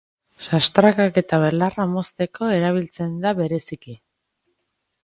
Sastrakak eta belarra mozteko erabiltzen da bereziki.